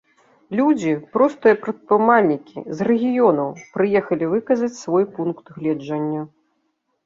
Людзі, простыя прадпрымальнікі, з рэгіёнаў, прыехалі выказаць свой пункт гледжання.